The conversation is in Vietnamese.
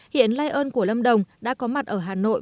hiện lây ơn của lâm đồng đã có mặt ở hà nội